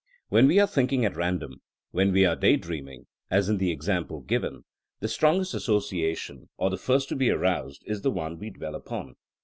When we are thinking at ran dom — ^when we are day dreaming, as in the ex ample given — ^the strongest association, or the first to be aroused, is the one we dwell upon.